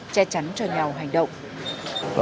che chắn cho nhau hành động